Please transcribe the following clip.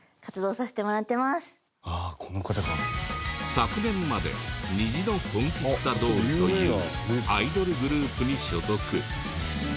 昨年まで虹のコンキスタドールというアイドルグループに所属。